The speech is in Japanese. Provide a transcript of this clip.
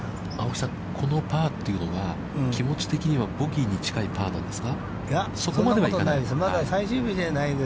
このパーというのは、気持ち的にはボギーに近いパーなんですか。